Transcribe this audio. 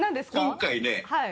今回ね。